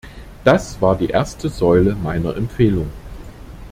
Das war die erste Säule meiner Empfehlung.